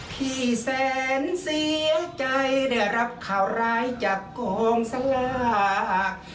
ที่แสนเสียใจได้รับข่าวร้ายจากกองสลาก